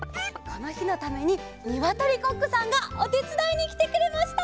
このひのためににわとりコックさんがおてつだいにきてくれました！